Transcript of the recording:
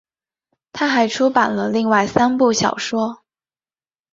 她还出版了另外三部小说。